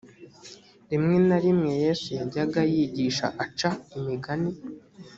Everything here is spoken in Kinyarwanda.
rimwe na rimwe yesu yajyaga yigisha aca imigani